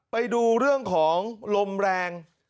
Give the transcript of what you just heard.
ไปดูเรื่องของลมแรง